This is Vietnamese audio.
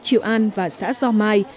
triệu an và xã do mai